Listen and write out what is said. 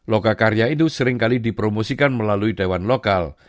loka karya itu seringkali dipromosikan melalui dewan lokal